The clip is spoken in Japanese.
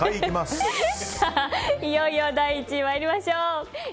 いよいよ第１位参りましょう。